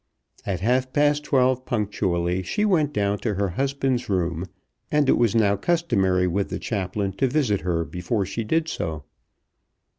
At half past twelve punctually she went down to her husband's room, and it was now customary with the chaplain to visit her before she did so.